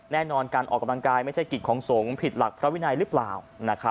แน่นอนการออกกำลังกายไม่ใช่กิจของสงฆ์ผิดหลักพระวินัยหรือเปล่า